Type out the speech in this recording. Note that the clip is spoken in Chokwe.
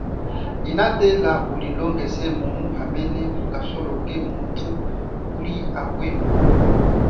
Inatela kulilongeja mumu hamene ukasoloke mutu muli akwenu.